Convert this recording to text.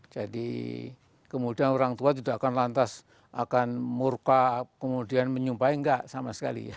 jadi kemudian orang tua tidak akan lantas akan murka kemudian menyumpah enggak sama sekali